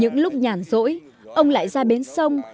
những lúc nhản rỗi ông lại ra bến sông